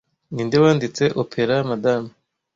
Ninde wanditse Opera Madam